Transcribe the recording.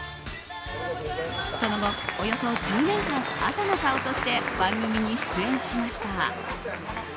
その後およそ１０年間の朝の顔として番組に出演しました。